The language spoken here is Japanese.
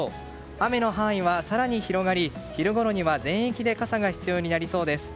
雨の範囲は、更に広がり昼ごろには全域で傘が必要になりそうです。